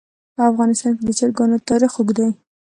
په افغانستان کې د چرګان تاریخ اوږد دی.